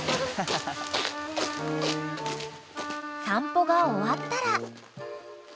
［散歩が終わったら］